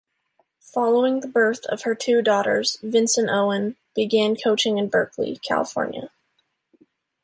Following the birth of her two daughters, Vinson-Owen began coaching in Berkeley, California.